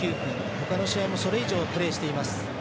他の試合もそれ以上プレーしています。